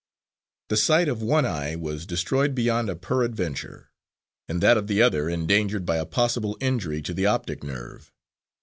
The sight of one eye was destroyed beyond a peradventure, and that of the other endangered by a possible injury to the optic nerve.